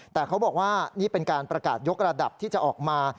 แต่เขาบอกว่านี่เป็นการประกาศยกระดับที่จะออกมา